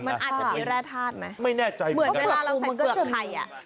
เหมือนในร้านเราใส่เปลือกไข่